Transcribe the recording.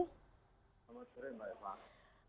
selamat sore mbak eva